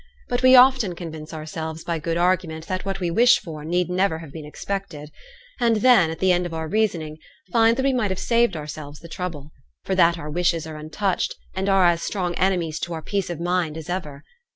But we often convince ourselves by good argument that what we wish for need never have been expected; and then, at the end of our reasoning, find that we might have saved ourselves the trouble, for that our wishes are untouched, and are as strong enemies to our peace of mind as ever.